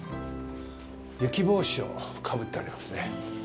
雪帽子をかぶっておりますね。